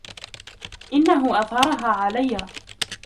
إنهُ اظهرها علي.